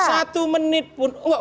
satu menit pun